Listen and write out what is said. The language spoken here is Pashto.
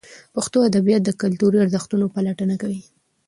پښتو ادبیات د کلتوري ارزښتونو پلټونه کوي.